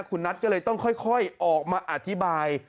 คุณนัทก็เลยต้องค่อยออกมาอธิบาย